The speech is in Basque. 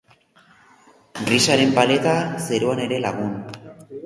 Grisaren paleta, zerua ere lagun.